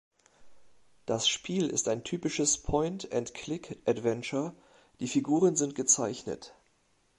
Das Spiel ist ein typisches "Point-&-Click"-Adventure, die Figuren sind gezeichnet.